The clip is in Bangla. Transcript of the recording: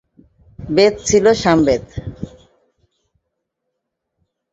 বেদ ছিল সামবেদ।